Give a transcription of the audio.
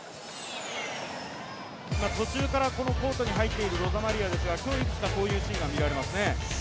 途中からこのコートに入っているロザマリアですが今日いくつかこういうシーンが見られますね。